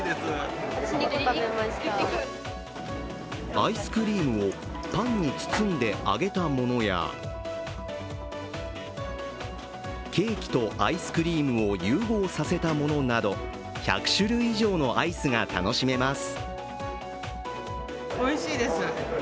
アイスクリームをパンに包んで揚げたものやケーキとアイスクリームを融合させたものなど１００種類以上のアイスが楽しめます